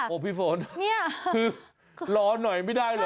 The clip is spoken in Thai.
โอ้พี่โฟนคือร้อนหน่อยไม่ได้หรอ